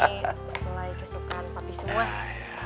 ini selai tusukan papi semua